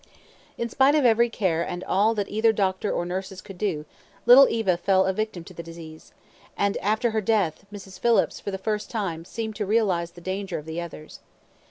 In spite of every care and all that either doctor or nurses could do, little Eva fell a victim to the disease; and, after her death, Mrs. Phillips for the first time seemed to realize the danger of the others.